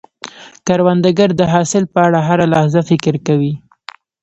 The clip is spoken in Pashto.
کروندګر د حاصل په اړه هره لحظه فکر کوي